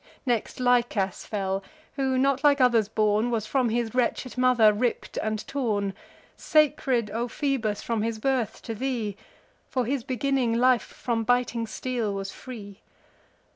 Next, Lichas fell, who, not like others born, Was from his wretched mother ripp'd and torn; Sacred, O Phoebus, from his birth to thee; For his beginning life from biting steel was free.